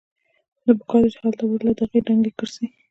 نو پکار ده چې هلته ورله د هغې دنګې کرسۍ